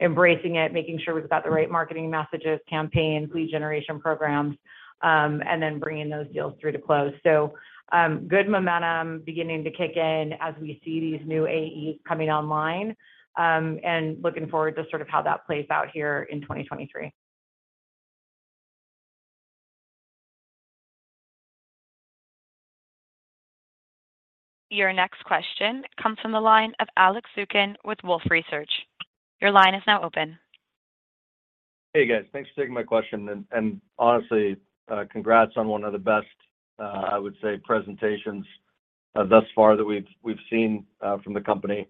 embracing it, making sure we've got the right marketing messages, campaigns, lead generation programs, and then bringing those deals through to close. Good momentum beginning to kick in as we see these new AEs coming online, and looking forward to sort of how that plays out here in 2023. Your next question comes from the line of Alex Zukin with Wolfe Research. Your line is now open. Hey, guys. Thanks for taking my question. Honestly, congrats on one of the best, I would say presentations. Thus far that we've seen from the company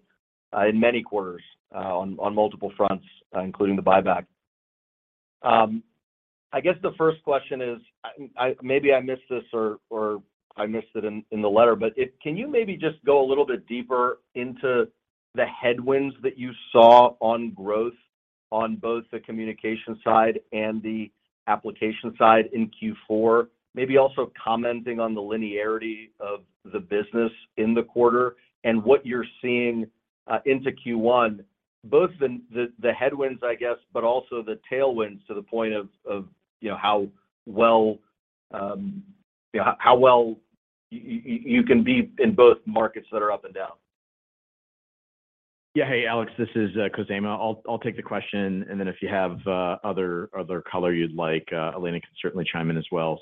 in many quarters on multiple fronts including the buyback. I guess the first question is maybe I missed this or I missed it in the letter. Can you maybe just go a little bit deeper into the headwinds that you saw on growth on both the communication side and the application side in Q4? Maybe also commenting on the linearity of the business in the quarter and what you're seeing into Q1, both the headwinds, I guess, but also the tailwinds to the point of, you know, how well you can be in both markets that are up and down. Hey, Alex Zukin, this is Khozema Shipchandler. I'll take the question, and then if you have other color you'd like, Elena Donio can certainly chime in as well.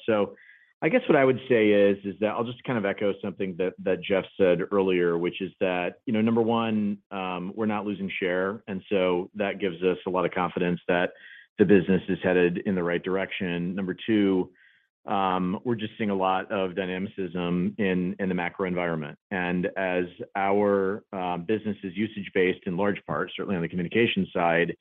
I guess what I would say is that I'll just kind of echo something that Jeff Lawson said earlier, which is that, you know, number one, we're not losing share, and so that gives us a lot of confidence that the business is headed in the right direction. Number two, we're just seeing a lot of dynamicism in the macro environment. As our business is usage-based in large part, certainly on the communication side,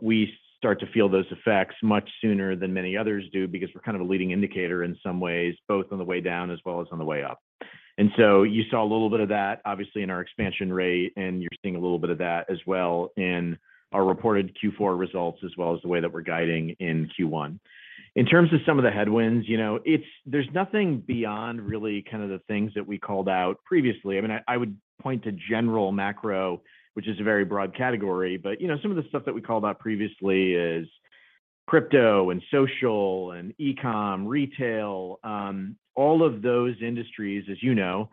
we start to feel those effects much sooner than many others do because we're kind of a leading indicator in some ways, both on the way down as well as on the way up. You saw a little bit of that, obviously, in our expansion rate, and you're seeing a little bit of that as well in our reported Q4 results, as well as the way that we're guiding in Q1. In terms of some of the headwinds, you know, there's nothing beyond really kind of the things that we called out previously. I mean, I would point to general macro, which is a very broad category. You know, some of the stuff that we called out previously is crypto and social and e-com, retail. All of those industries, as you know,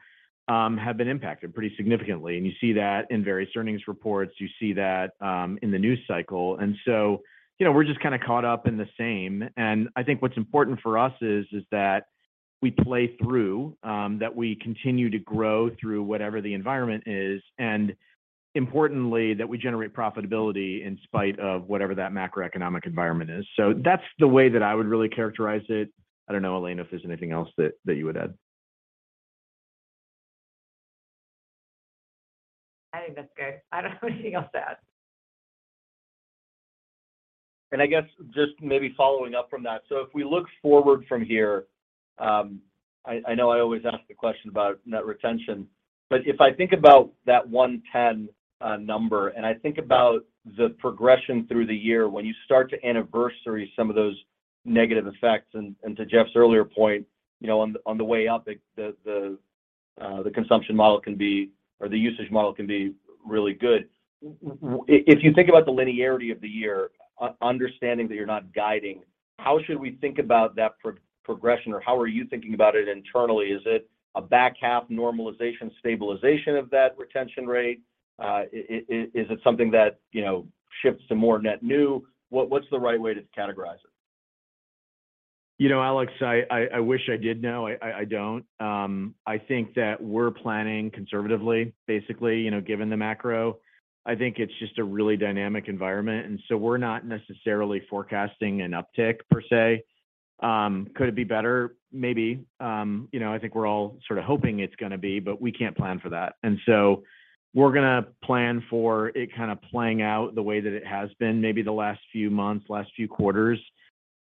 have been impacted pretty significantly. You see that in various earnings reports. You see that in the news cycle. You know, we're just kinda caught up in the same. I think what's important for us is that we play through, that we continue to grow through whatever the environment is, and importantly, that we generate profitability in spite of whatever that macroeconomic environment is. That's the way that I would really characterize it. I don't know, Elena, if there's anything else that you would add. I think that's good. I don't have anything else to add. I guess just maybe following up from that. If we look forward from here, I know I always ask the question about net retention. If I think about that 110 number, and I think about the progression through the year, when you start to anniversary some of those negative effects, and to Jeff's earlier point, you know, on the way up, the consumption model can be or the usage model can be really good. If you think about the linearity of the year, understanding that you're not guiding, how should we think about that progression, or how are you thinking about it internally? Is it a back half normalization stabilization of that retention rate? Is it something that, you know, shifts to more net new? What, what's the right way to categorize it? You know, Alex, I wish I did know. I don't. I think that we're planning conservatively, basically, you know, given the macro. I think it's just a really dynamic environment, and so we're not necessarily forecasting an uptick per se. Could it be better? Maybe. You know, I think we're all sort of hoping it's gonna be, but we can't plan for that. We're gonna plan for it kinda playing out the way that it has been maybe the last few months, last few quarters,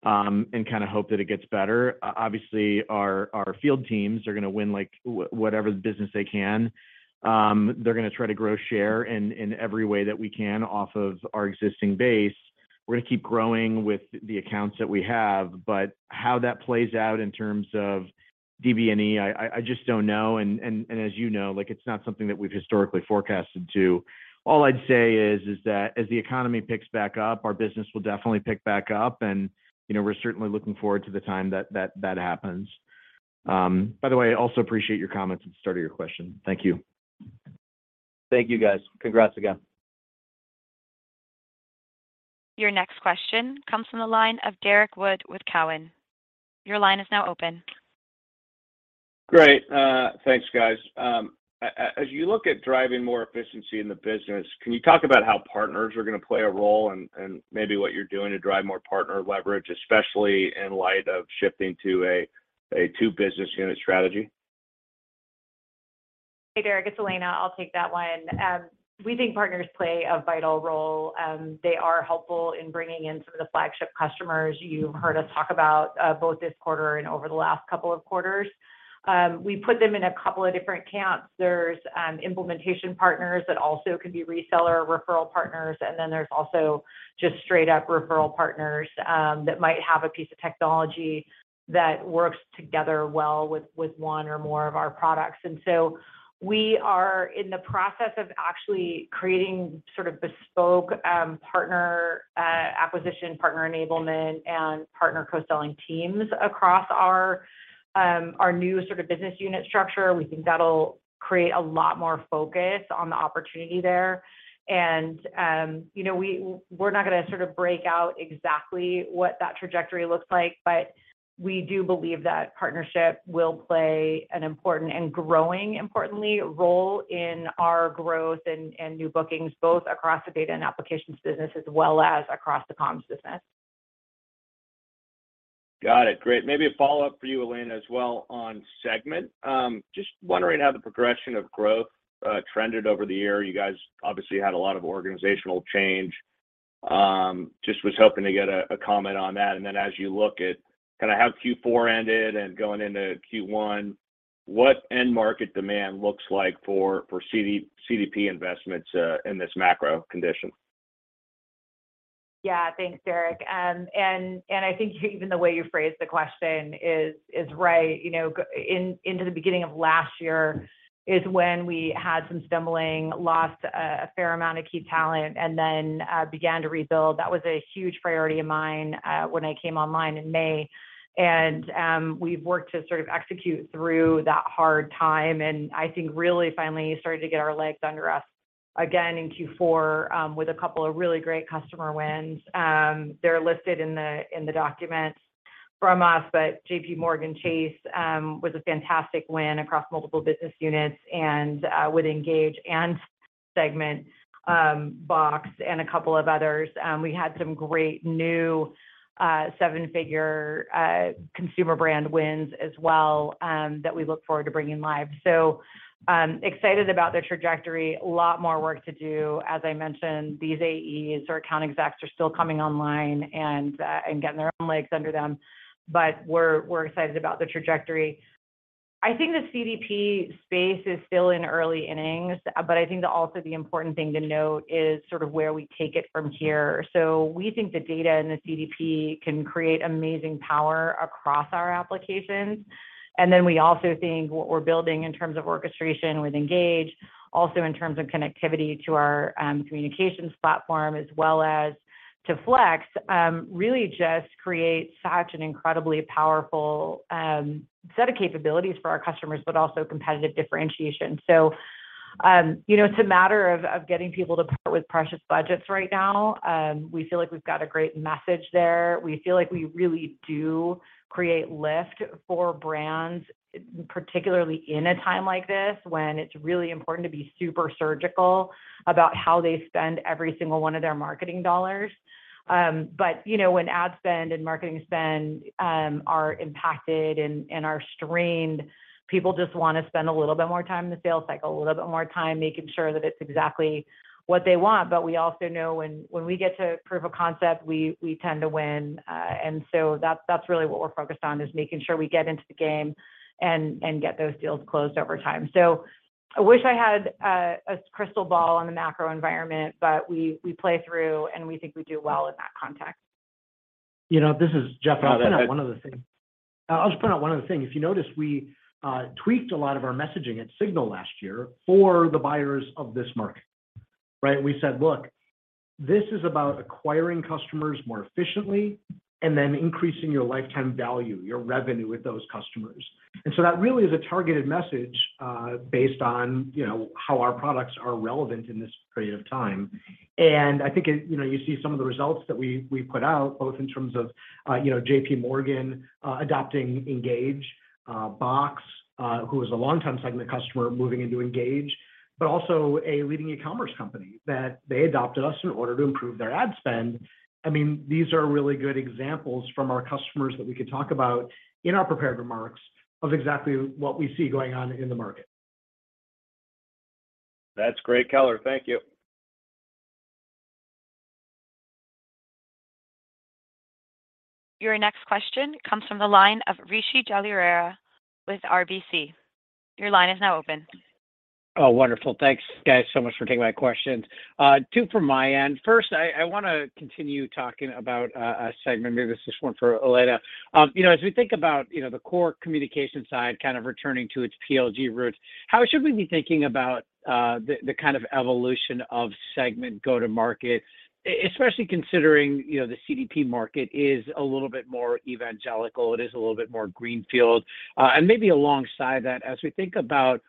and kinda hope that it gets better. Obviously, our field teams are gonna win, like whatever the business they can. They're gonna try to grow share in every way that we can off of our existing base. We're gonna keep growing with the accounts that we have. How that plays out in terms of DBNE, I just don't know. As you know, like, it's not something that we've historically forecasted to. All I'd say is that as the economy picks back up, our business will definitely pick back up. You know, we're certainly looking forward to the time that that happens. By the way, I also appreciate your comments at the start of your question. Thank you. Thank you, guys. Congrats again. Your next question comes from the line of Derrick Wood with Cowen. Your line is now open. Great. Thanks, guys. As you look at driving more efficiency in the business, can you talk about how partners are gonna play a role and maybe what you're doing to drive more partner leverage, especially in light of shifting to a two business unit strategy? Hey, Derrick, it's Elena. I'll take that one. We think partners play a vital role. They are helpful in bringing in some of the flagship customers you heard us talk about, both this quarter and over the last couple of quarters. We put them in a couple of different camps. There's implementation partners that also can be reseller or referral partners, and then there's also just straight-up referral partners, that might have a piece of technology that works together well with one or more of our products. We are in the process of actually creating sort of bespoke, partner acquisition, partner enablement, and partner co-selling teams across our new sort of business unit structure. We think that'll create a lot more focus on the opportunity there. you know, we're not gonna sort of break out exactly what that trajectory looks like, but we do believe that partnership will play an important and growing, importantly, role in our growth and new bookings, both across the Data and Applications business as well as across the Comms business. Got it. Great. Maybe a follow-up for you, Elena, as well, on Segment. Just wondering how the progression of growth trended over the year. You guys obviously had a lot of organizational change. Just was hoping to get a comment on that. As you look at kinda how Q4 ended and going into Q1, what end market demand looks like for CDP investments in this macro condition? Yeah. Thanks, Derrick. I think even the way you phrased the question is right. You know, into the beginning of last year is when we had some stumbling, lost a fair amount of key talent, and then began to rebuild. That was a huge priority of mine when I came online in May. We've worked to sort of execute through that hard time, and I think really finally started to get our legs under us again in Q4 with a couple of really great customer wins. They're listed in the documents from us, JPMorgan Chase was a fantastic win across multiple business units and with Engage and Segment, Box, and a couple of others. We had some great new 7-figure consumer brand wins as well that we look forward to bringing live. Excited about the trajectory. A lot more work to do. As I mentioned, these AEs or account execs are still coming online and getting their own legs under them. We're excited about the trajectory. I think the CDP space is still in early innings, I think that also the important thing to note is sort of where we take it from here. We think the data and the CDP can create amazing power across our applications, and then we also think what we're building in terms of orchestration with Engage, also in terms of connectivity to our communications platform as well as to Flex, really just creates such an incredibly powerful set of capabilities for our customers but also competitive differentiation. You know, it's a matter of getting people to part with precious budgets right now. We feel like we've got a great message there. We feel like we really do create lift for brands, particularly in a time like this, when it's really important to be super surgical about how they spend every single one of their marketing dollars. You know, when ad spend and marketing spend are impacted and are strained, people just wanna spend a little bit more time in the sales cycle, a little bit more time making sure that it's exactly what they want. We also know when we get to proof of concept, we tend to win. That's really what we're focused on, is making sure we get into the game and get those deals closed over time. I wish I had a crystal ball on the macro environment, but we play through, and we think we do well in that context. You know, this is Jeff. No. I'll just point out one other thing. If you notice, we tweaked a lot of our messaging at SIGNAL last year for the buyers of this market, right? We said, "Look, this is about acquiring customers more efficiently and then increasing your lifetime value, your revenue with those customers." That really is a targeted message, based on, you know, how our products are relevant in this period of time. I think it, you know, you see some of the results that we put out, both in terms of, you know, JPMorgan, adopting Engage, Box, who was a longtime Segment customer moving into Engage, but also a leading e-commerce company that they adopted us in order to improve their ad spend. I mean, these are really good examples from our customers that we could talk about in our prepared remarks of exactly what we see going on in the market. That's great color. Thank you. Your next question comes from the line of Rishi Jaluria with RBC. Your line is now open. Oh, wonderful. Thanks, guys, so much for taking my questions. two from my end. First, I wanna continue talking about Segment. Maybe this is one for Elena. You know, as we think about, you know, the core communication side kind of returning to its PLG roots, how should we be thinking about the kind of evolution of Segment go-to-market, especially considering, you know, the CDP market is a little bit more evangelical, it is a little bit more greenfield? Maybe alongside that, as we think about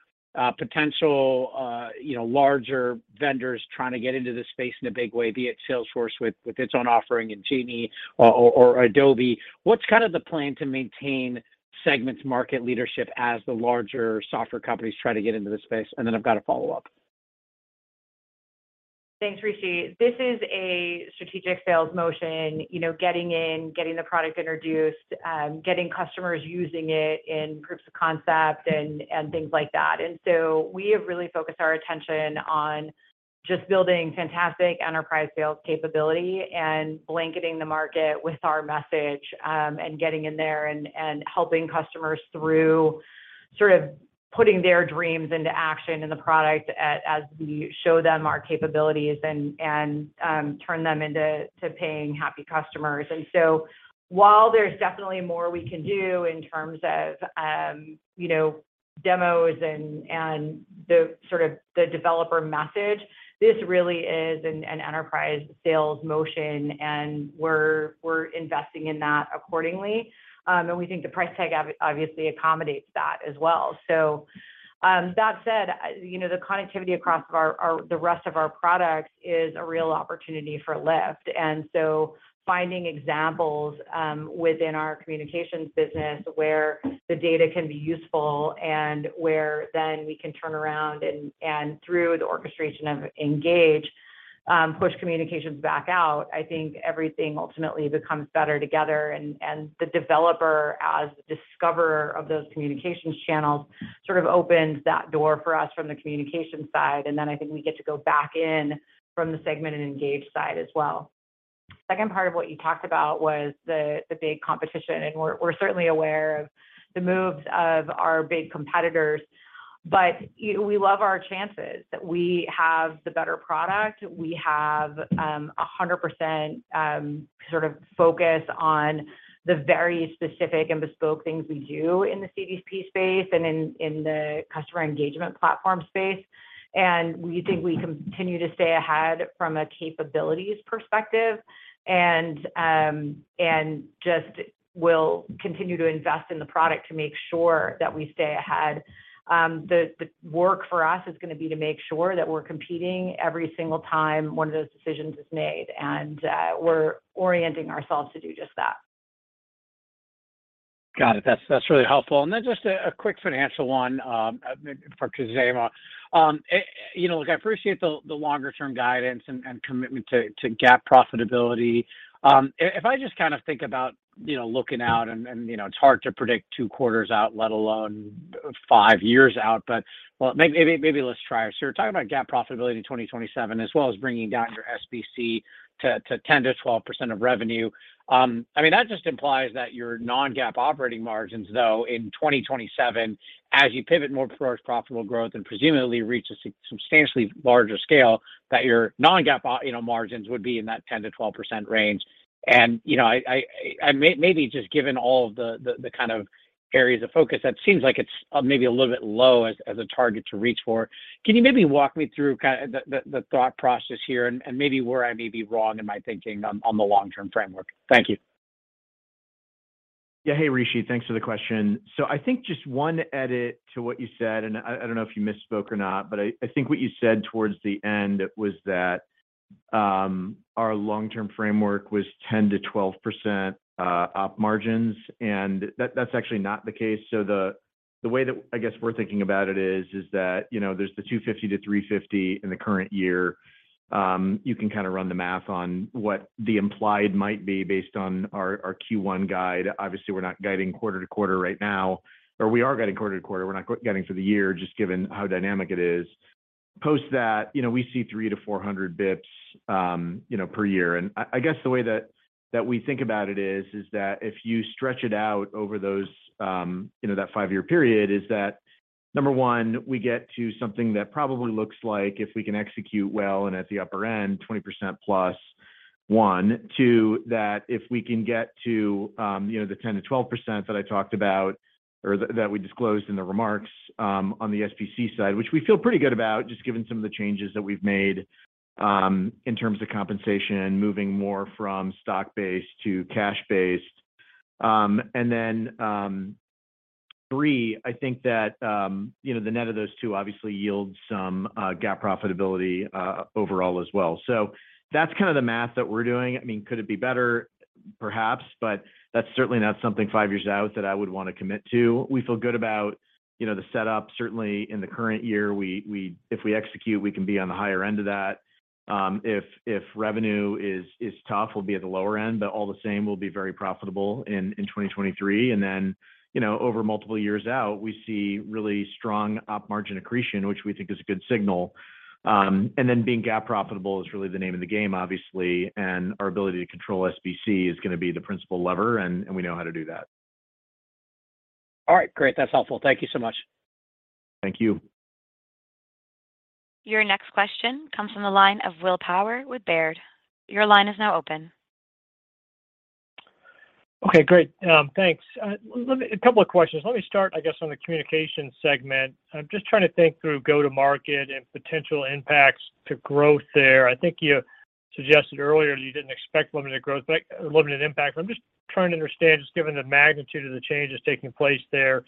potential, you know, larger vendors trying to get into this space in a big way, be it Salesforce with its own offering in Genie or Adobe, what's kind of the plan to maintain Segment's market leadership as the larger software companies try to get into this space? I've got a follow-up. Thanks, Rishi. This is a strategic sales motion, you know, getting in, getting the product introduced, getting customers using it in proofs of concept and things like that. We have really focused our attention on just building fantastic enterprise sales capability and blanketing the market with our message, and getting in there and helping customers through sort of putting their dreams into action in the product as we show them our capabilities and turn them into paying happy customers. While there's definitely more we can do in terms of, you know, demos and the sort of the developer message, this really is an enterprise sales motion, and we're investing in that accordingly. We think the price tag obviously accommodates that as well. That said, you know, the connectivity across our, the rest of our products is a real opportunity for lift. Finding examples, within our communications business where the data can be useful and where then we can turn around and through the orchestration of Engage, push communications back out, I think everything ultimately becomes better together and the developer as discoverer of those communications channels sort of opens that door for us from the communication side. Then I think we get to go back in from the Segment and Engage side as well. Second part of what you talked about was the big competition, and we're certainly aware of the moves of our big competitors. We love our chances, that we have the better product. We have 100% sort of focus on the very specific and bespoke things we do in the CDP space and in the customer engagement platform space. We think we continue to stay ahead from a capabilities perspective and just will continue to invest in the product to make sure that we stay ahead. The work for us is gonna be to make sure that we're competing every single time one of those decisions is made, we're orienting ourselves to do just that. Got it. That's, that's really helpful. Then just a quick financial one, maybe for Khozema. You know, look, I appreciate the longer term guidance and commitment to GAAP profitability. If I just kind of think about, you know, looking out and, you know, it's hard to predict two quarters out, let alone 5 years out, well, maybe let's try. You're talking about GAAP profitability in 2027, as well as bringing down your SBC to 10%-12% of revenue. I mean, that just implies that your non-GAAP operating margins, though, in 2027, as you pivot more towards profitable growth and presumably reach a substantially larger scale, that your non-GAAP you know, margins would be in that 10%-12% range. You know, I maybe just given all the kind of areas of focus, that seems like it's maybe a little bit low as a target to reach for. Can you maybe walk me through kind of the thought process here and maybe where I may be wrong in my thinking on the long-term framework? Thank you. Hey, Rishi. Thanks for the question. I think just one edit to what you said, and I don't know if you misspoke or not, but I think what you said towards the end was that our long-term framework was 10%-12% Op margins, and that's actually not the case. The way that I guess we're thinking about it is that, you know, there's the $250 million-$350 million in the current year. You can kind of run the math on what the implied might be based on our Q1 guide. Obviously, we're not guiding quarter to quarter right now, or we are guiding quarter to quarter. We're not guiding for the year just given how dynamic it is. Post that, you know, we see 300-400 basis points, you know, per year. I guess the way that we think about it is that if you stretch it out over those, you know, that five-year period is that, number one, we get to something that probably looks like if we can execute well and at the upper end, 20%+. One. Two, that if we can get to, you know, the 10%-12% that I talked about or that we disclosed in the remarks, on the CPaaS side, which we feel pretty good about just given some of the changes that we've made, in terms of compensation, moving more from stock-based to cash-based. Three, I think that, you know, the net of those two obviously yield some GAAP profitability overall as well. That's kinda the math that we're doing. I mean, could it be better? Perhaps. That's certainly not something five years out that I would wanna commit to. We feel good about, you know, the setup. Certainly, in the current year, we if we execute, we can be on the higher end of that. If revenue is tough, we'll be at the lower end, but all the same, we'll be very profitable in 2023. Then, you know, over multiple years out, we see really strong op margin accretion, which we think is a good signal. Then being GAAP profitable is really the name of the game, obviously, and our ability to control SBC is gonna be the principal lever, and we know how to do that. All right. Great. That's helpful. Thank you so much. Thank you. Your next question comes from the line of Will Power with Baird. Your line is now open. Okay. Great. Thanks. A couple of questions. Let me start, I guess, on the communication segment. I'm just trying to think through go-to-market and potential impacts to growth there. I think you suggested earlier that you didn't expect limited growth, but limited impact, but I'm just trying to understand just given the magnitude of the changes taking place there,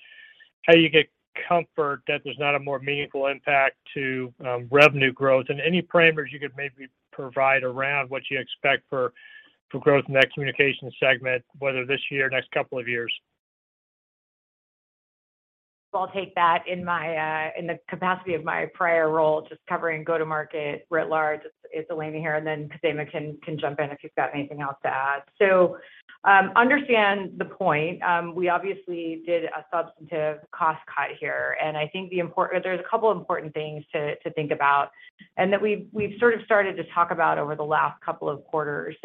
how you get comfort that there's not a more meaningful impact to revenue growth. Any parameters you could maybe provide around what you expect for growth in that communication segment, whether this year, next couple of years. I'll take that in my in the capacity of my prior role, just covering go-to-market writ large. It's Elena here, and then Khozema can jump in if you've got anything else to add. Understand the point. We obviously did a substantive cost cut here, and I think There's a couple important things to think about and that we've sort of started to talk about over the last couple of quarters.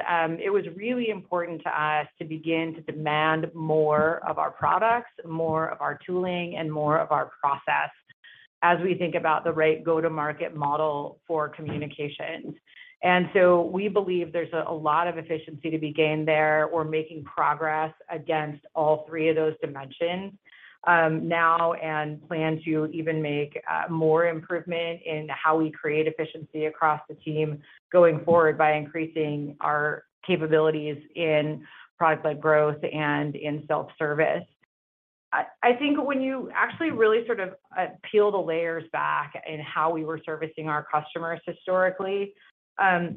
It was really important to us to begin to demand more of our products, more of our tooling, and more of our process as we think about the right go-to-market model for communications. We believe there's a lot of efficiency to be gained there. We're making progress against all three of those dimensions, now and plan to even make more improvement in how we create efficiency across the team going forward by increasing our capabilities in product-led growth and in self-service. I think when you actually really sort of peel the layers back in how we were servicing our customers historically,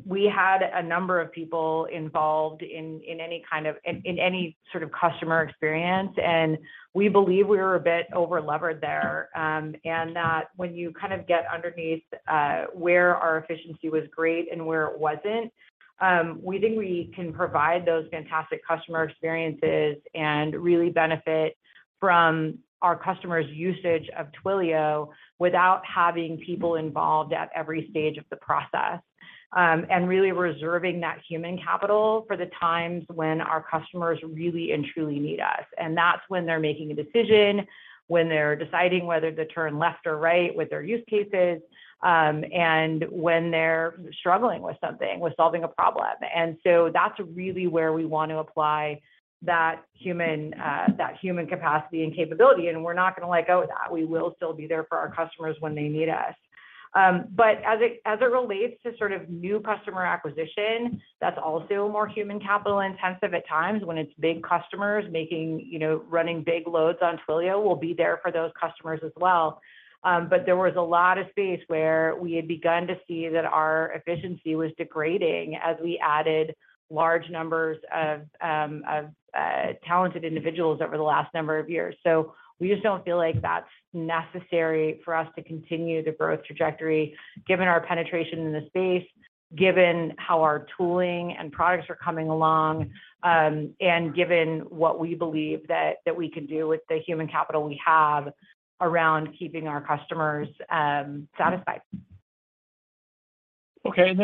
we had a number of people involved in any sort of customer experience, and we believe we were a bit over-levered there. That when you kind of get underneath, where our efficiency was great and where it wasn't, we think we can provide those fantastic customer experiences and really benefit from our customers' usage of Twilio without having people involved at every stage of the process, and really reserving that human capital for the times when our customers really and truly need us. That's when they're making a decision, when they're deciding whether to turn left or right with their use cases, and when they're struggling with something, with solving a problem. So that's really where we want to apply that human, that human capacity and capability, and we're not gonna let go of that. We will still be there for our customers when they need us. As it, as it relates to sort of new customer acquisition, that's also more human capital intensive at times when it's big customers you know, running big loads on Twilio, we'll be there for those customers as well. There was a lot of space where we had begun to see that our efficiency was degrading as we added large numbers of talented individuals over the last number of years. We just don't feel like that's necessary for us to continue the growth trajectory given our penetration in the space, given how our tooling and products are coming along, and given what we believe that we can do with the human capital we have around keeping our customers satisfied. Okay.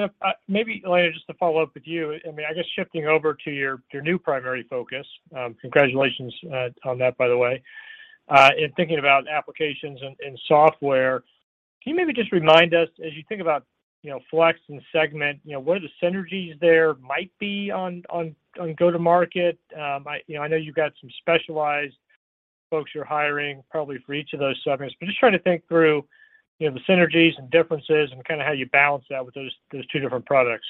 Maybe, Elena, just to follow up with you. I mean, I guess shifting over to your new primary focus, congratulations on that by the way. In thinking about applications and software, can you maybe just remind us as you think about, you know, Flex and Segment, you know, what are the synergies there might be on go-to-market? I, you know, I know you've got some specialized folks you're hiring probably for each of those segments, but just trying to think through, you know, the synergies and differences and kinda how you balance that with those two different products.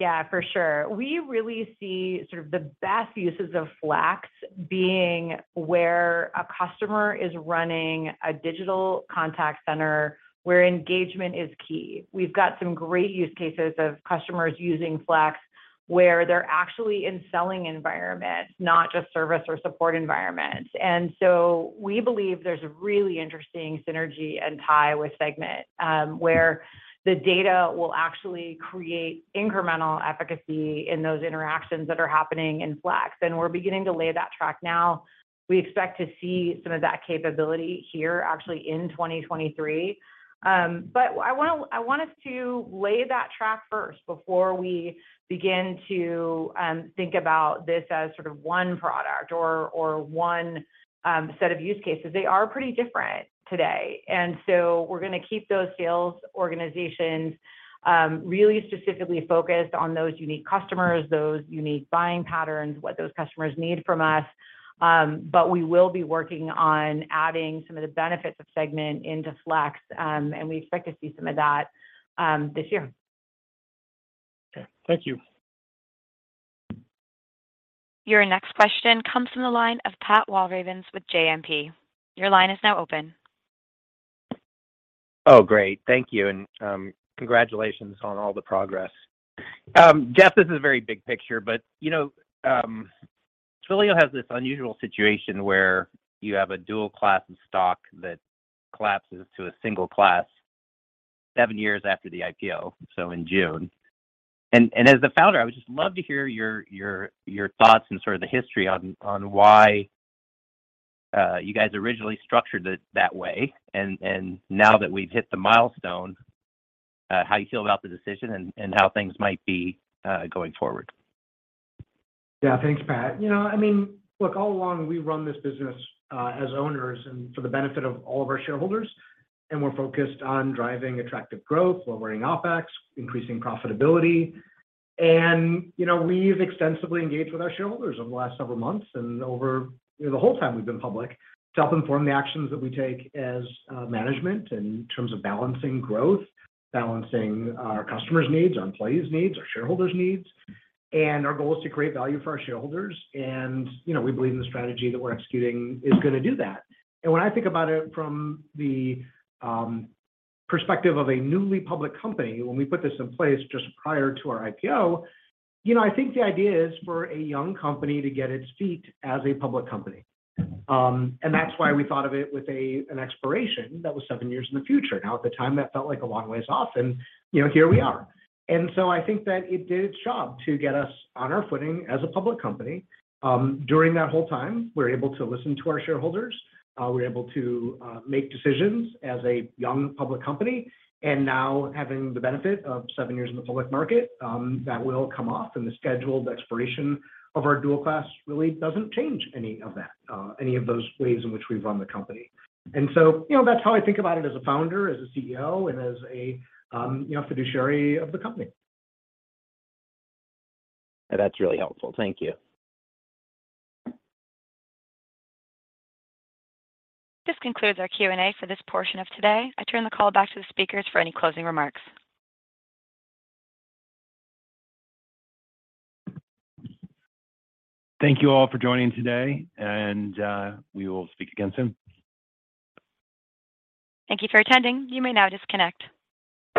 Yeah, for sure. We really see sort of the best uses of Flex being where a customer is running a digital contact center where engagement is key. We've got some great use cases of customers using Flex where they're actually in selling environments, not just service or support environments. We believe there's a really interesting synergy and tie with Segment, where the data will actually create incremental efficacy in those interactions that are happening in Flex, and we're beginning to lay that track now. We expect to see some of that capability here actually in 2023. I wanna, I want us to lay that track first before we begin to think about this as sort of one product or one set of use cases. They are pretty different today, we're gonna keep those sales organizations really specifically focused on those unique customers, those unique buying patterns, what those customers need from us. We will be working on adding some of the benefits of Segment into Flex, and we expect to see some of that this year. Okay. Thank you. Your next question comes from the line of Pat Walravens with JMP. Your line is now open. Great. Thank you, congratulations on all the progress. Jeff, this is very big picture, but, you know, Twilio has this unusual situation where you have a dual class of stock that collapses to a single class seven years after the IPO, so in June. As the founder, I would just love to hear your, your thoughts and sort of the history on why you guys originally structured it that way now that we've hit the milestone, how you feel about the decision and how things might be going forward. Yeah. Thanks, Pat. You know, I mean, look, all along we run this business as owners and for the benefit of all of our shareholders, and we're focused on driving attractive growth, lowering OpEx, increasing profitability. You know, we've extensively engaged with our shareholders over the last several months and over, you know, the whole time we've been public to help inform the actions that we take as management in terms of balancing growth, balancing our customers' needs, our employees' needs, our shareholders' needs. Our goal is to create value for our shareholders. You know, we believe in the strategy that we're executing is gonna do that. When I think about it from the perspective of a newly public company, when we put this in place just prior to our IPO, you know, I think the idea is for a young company to get its feet as a public company. That's why we thought of it with an expiration that was seven years in the future. Now, at the time, that felt like a long ways off and, you know, here we are. I think that it did its job to get us on our footing as a public company. During that whole time, we were able to listen to our shareholders, we were able to make decisions as a young public company. Now having the benefit of seven years in the public market, that will come off and the scheduled expiration of our dual class really doesn't change any of that, any of those ways in which we run the company. So, you know, that's how I think about it as a founder, as a CEO, and as a, you know, fiduciary of the company. That's really helpful. Thank you. This concludes our Q&A for this portion of today. I turn the call back to the speakers for any closing remarks. Thank you all for joining today, and we will speak again soon. Thank you for attending. You may now disconnect.